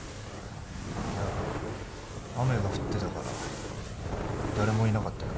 いや雨が降ってたから誰もいなかったよ